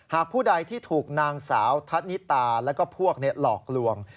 ผู้ใดที่ถูกนางสาวทัศนิตาแล้วก็พวกหลอกลวง